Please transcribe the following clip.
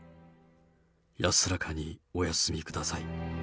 安らかにお休みください。